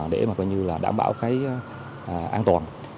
để đảm bảo an toàn